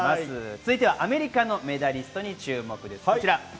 続いてアメリカのメダリストに注目です。